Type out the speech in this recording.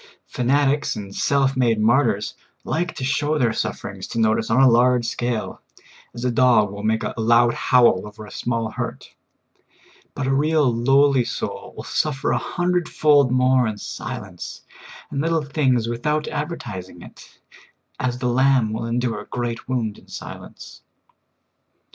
Fanatics and self made martyrs like to show their sufferings to notice on a large scale, as a dog will make a loud howl over a small hurt ; but a real lowly soul will suffer a hundred fold more in silence and little things without advertising it, as the lamb will endure a great wound in silence.